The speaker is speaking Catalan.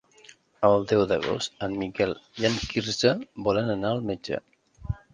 El deu d'agost en Miquel i en Quirze volen anar al metge.